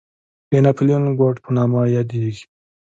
د ناپلیون کوډ په نامه یادېږي.